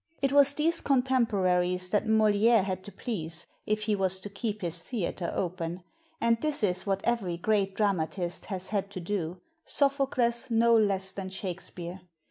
It was these contemporaries that Moliere had to please, if he was to keep his theater open ; and this is what every great dramatist has had to do, Sophocles no less than Shakspere.